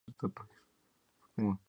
¿Vosotras habéis partido?